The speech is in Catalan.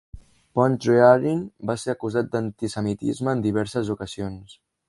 Pontryagin va ser acusat d'antisemitisme en diverses ocasions.